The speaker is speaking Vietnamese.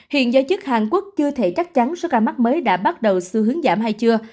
hiện giới chức hàn quốc chưa thể chắc chắn số ca mắc mới đã bắt đầu xu hướng giảm hay chưa